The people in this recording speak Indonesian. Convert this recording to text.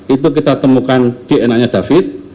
itu kita temukan dna nya david